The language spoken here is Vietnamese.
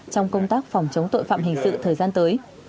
trong công tác phòng chống tội phạm hình sự thời gian tới